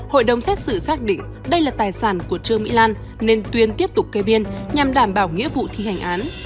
hội đồng xét xử xác định đây là tài sản của trương mỹ lan nên tuyên tiếp tục kê biên nhằm đảm bảo nghĩa vụ thi hành án